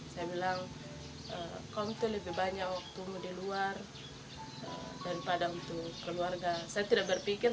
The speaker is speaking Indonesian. saya bilang kaum itu lebih banyak waktumu di luar daripada untuk keluarga saya tidak berpikir